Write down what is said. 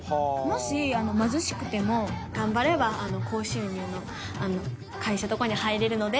もし貧しくても頑張れば高収入の会社とかに入れるので。